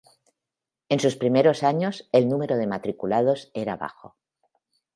En sus primeros años, el número de matriculados era bajo.